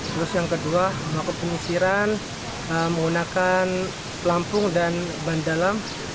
terus yang kedua membuat penyusiran menggunakan pelampung dan bandalam